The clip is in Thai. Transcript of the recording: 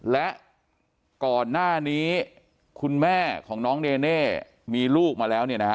และก่อนหน้านี้คุณแม่ของน้องเนเน่มีลูกมาแล้วเนี่ยนะฮะ